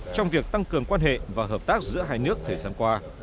trong việc tăng cường quan hệ và hợp tác giữa hai nước thời gian qua